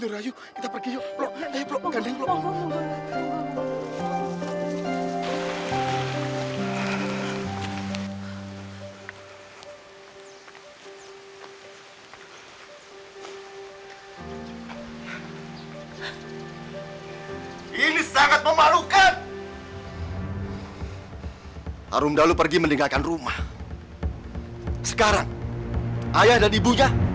sampai jumpa di video selanjutnya